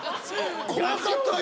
怖かった今。